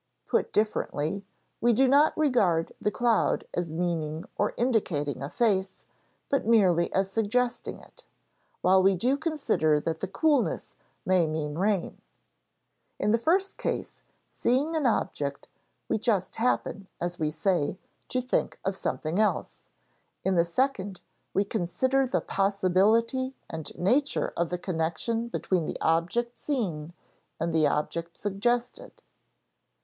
Put differently, we do not regard the cloud as meaning or indicating a face, but merely as suggesting it, while we do consider that the coolness may mean rain. In the first case, seeing an object, we just happen, as we say, to think of something else; in the second, we consider the possibility and nature of the connection between the object seen and the object suggested.